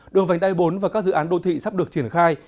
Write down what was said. đường vành đai bốn và các dự án đô thị sắp được triển khai